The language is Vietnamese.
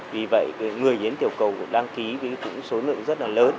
vì vậy người hiến tiểu cầu cũng đăng ký với số lượng rất là lớn